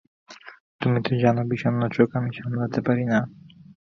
তুমি তো জানো, বিষণ্ণ চোখ আমি সামলাতে পারি না।